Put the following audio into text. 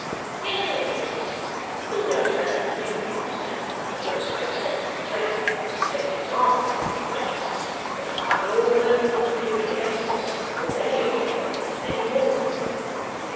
You know there is! Who knows better than you, master, that the first great step to be taken is to make examples of these witnesses, and frighten all men from appearing against us or any of our body, any more?